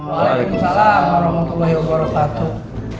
waalaikumsalam warahmatullahi wabarakatuh